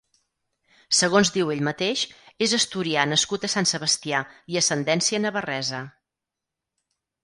Segons diu ell mateix, és asturià nascut a Sant Sebastià i ascendència navarresa.